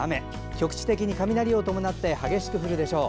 局地的に雷を伴って激しく降るでしょう。